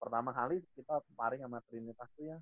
pertama kali kita sparing sama trinita tuh ya